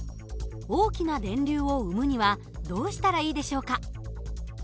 大きな電流を生むにはどうしたらいいでしょうか？